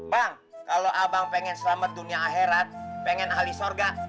bang kalau abang pengen selamat dunia akhirat pengen ali sorga